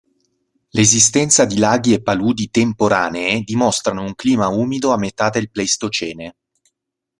L'esistenza di laghi e paludi temporanee dimostrano un clima umido a metà del Pleistocene.